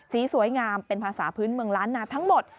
สวยงามเป็นภาษาพื้นเมืองล้านนาทั้งหมด